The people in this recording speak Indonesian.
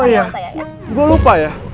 oh iya gue lupa ya